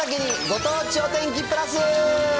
ご当地お天気プラス。